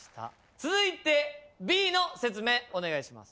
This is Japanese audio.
続いてＢの説明お願いします。